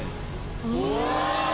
うわ！